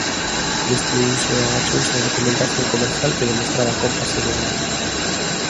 Destruíuse ou agachouse a documentación comercial que demostraba compras e vendas.